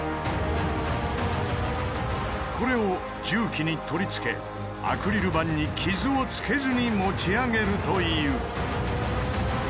これを重機に取り付けアクリル板に傷をつけずに持ち上げるという。